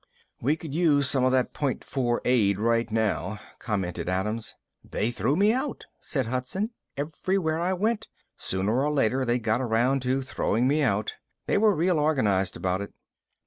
"We could use some of that Point Four aid right now," commented Adams. "They threw me out," said Hudson. "Everywhere I went, sooner or later they got around to throwing me out. They were real organized about it."